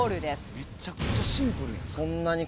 めちゃくちゃシンプルや。